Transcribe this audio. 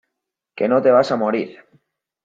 que no te vas a morir.